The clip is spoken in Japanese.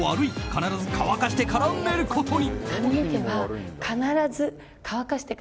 必ず乾かしてから寝ること。